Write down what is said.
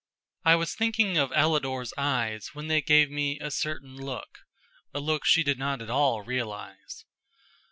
I was thinking of Ellador's eyes when they gave me a certain look, a look she did not at all realize.